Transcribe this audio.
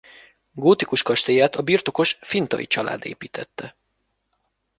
Gótikus kastélyát a birtokos Fintai család építette.